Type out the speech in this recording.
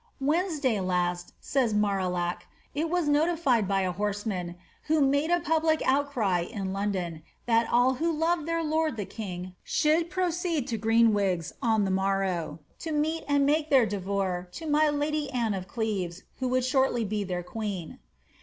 ^ Wednesday last," says Marillac,^ '^ it was notified by a horseman, who made a public outcry in London, that all who loved their lord the king should proceed to Greenwigs on the morrow, to meet and make their devoir to my lady Anne of Cleves, who would shortly be their queen."